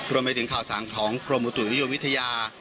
รวมไปถึงข่าวสารของกรมอุตุนิยมวิทยา